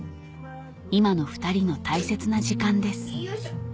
今の２人の大切な時間ですよいしょ。